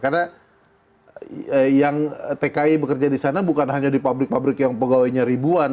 karena yang tki bekerja di sana bukan hanya di pabrik pabrik yang pegawainya ribuan